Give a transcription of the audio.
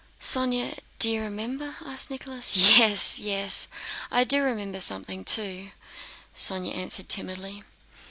"Sónya, do you remember?" asked Nicholas. "Yes, yes, I do remember something too," Sónya answered timidly.